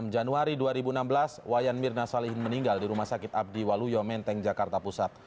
enam januari dua ribu enam belas wayan mirna salihin meninggal di rumah sakit abdi waluyo menteng jakarta pusat